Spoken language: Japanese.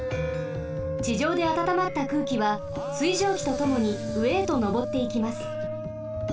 ちじょうであたたまったくうきは水蒸気とともにうえへとのぼっていきます。